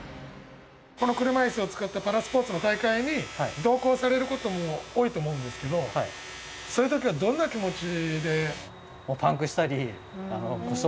この車いすを使ったパラスポーツの大会に同行されることも多いと思うんですけどそういう時はどんな気持ちで？